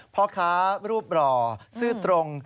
เพราะค้ารูปหล่อซื่อตรง